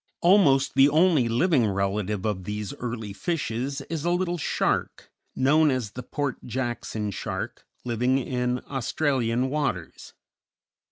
Almost the only living relative of these early fishes is a little shark, known as the Port Jackson Shark, living in Australian waters.